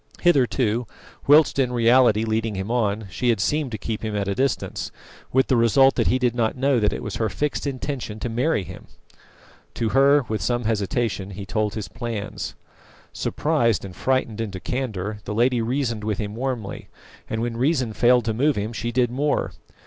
Hitherto, whilst in reality leading him on, she had seemed to keep him at a distance, with the result that he did not know that it was her fixed intention to marry him. To her, with some hesitation, he told his plans. Surprised and frightened into candour, the lady reasoned with him warmly, and when reason failed to move him she did more.